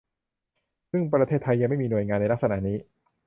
ซึ่งประเทศไทยยังไม่มีหน่วยงานในลักษณะนี้